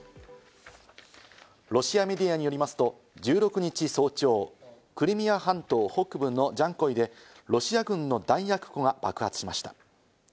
ロシアメディアによりますと１６日早朝、クリミア半島北部のジャンコイでロシア軍の弾薬庫が爆発しました。